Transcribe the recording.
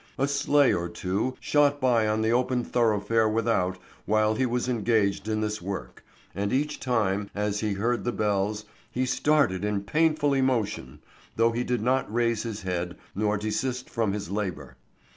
A sleigh or two shot by on the open thoroughfare without while he was engaged in this work, and each time as he heard the bells he started in painful emotion, though he did not raise his head nor desist from his labor.